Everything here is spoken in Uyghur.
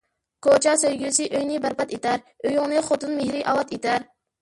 كوچا سۆيگۈسى ئۆينى بەرباد ئېتەر، ئۆيۈڭنى خوتۇن مېھرى ئاۋات ئېتەر